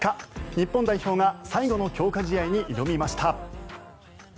日本代表が最後の強化試合に挑みました。